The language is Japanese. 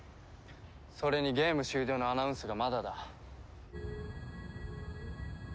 それにゲーム終了のアナウンスがまだだ。